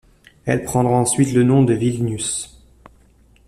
Elle prendra ensuite le nom de Vilnius.